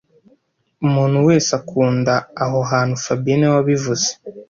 Umuntu wese akunda aho hantu fabien niwe wabivuze